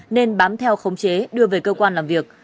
nên bám theo khống chế đưa về cơ quan làm việc